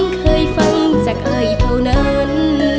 เคยฟังจากอายเท่านั้น